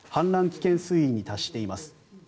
危険水位に達しています。